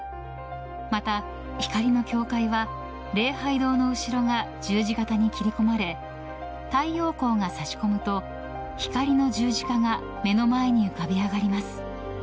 また、光の境界は礼拝堂の後ろが十字型に切り込まれ太陽光が差し込むと光の十字架が目の前に浮かび上がります。